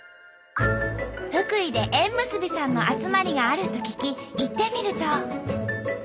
福井で縁結びさんの集まりがあると聞き行ってみると。